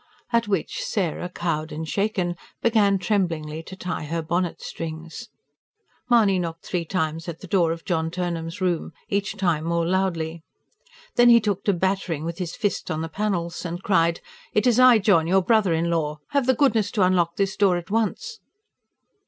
At which Sarah, cowed and shaken, began tremblingly to tie her bonnet strings. Mahony knocked three times at the door of John Turnham's room, each time more loudly. Then he took to battering with his fist on the panels, and cried: "It is I, John, your brother in law! Have the goodness to unlock this door at once!"